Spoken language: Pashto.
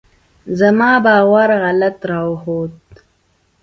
زما باور غلط راوخوت.